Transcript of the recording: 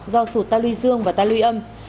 do sụt ta luy dương và ta luy âm